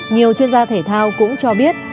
nhiều chuyên gia thể thao cũng cho biết